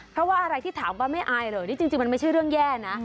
เพราะว่าอะไรที่ถามว่าไม่อายเหรอนี่จริงมันไม่ใช่เรื่องแย่นะ